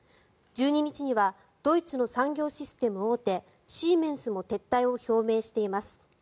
１２日にはドイツの産業システム大手シーメンスも撤退を表明しています。